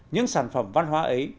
những sản phẩm văn hóa ấy